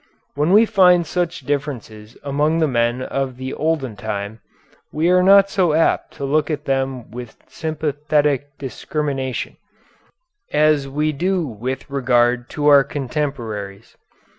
When we find such differences among the men of the olden time we are not so apt to look at them with sympathetic discrimination, as we do with regard to our contemporaries.